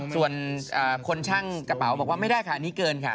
ส่วนคนช่างกระเป๋าบอกว่าไม่ได้ค่ะอันนี้เกินค่ะ